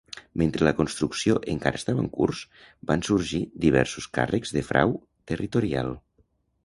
Mentre la construcció encara estava en curs, van sorgir diversos càrrecs de frau territorial.